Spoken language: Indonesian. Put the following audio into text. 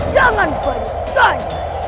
jangan balik tanya